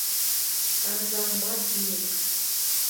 Ка-за-мат-ньык!..